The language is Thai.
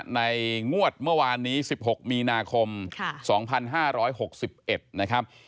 งวดเมื่อวานนี้๑๖มีนาคม๒๕๖๑นะครับ